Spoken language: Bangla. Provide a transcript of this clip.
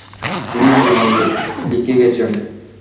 তিনি আজীবন লিখে গেছেন।